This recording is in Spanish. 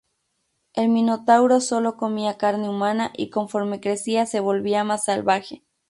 El Minotauro solo comía carne humana, y conforme crecía se volvía más salvaje.